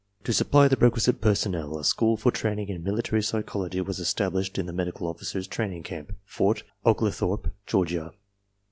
To supply the requisite personnel a school for training in military psychology was established in the Medical Officers' Training Camp, Fort Oglethorpe, Georgia.